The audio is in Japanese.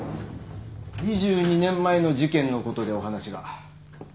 ２２年前の事件のことでお話が。